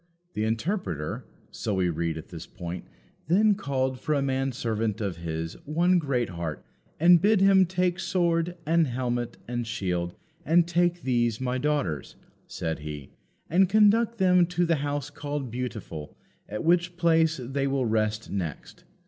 "The Interpreter," so we read at this point, "then called for a man servant of his, one Greatheart, and bid him take sword, and helmet, and shield, and take these, my daughters," said he, "and conduct them to the house called Beautiful, at which place they will rest next.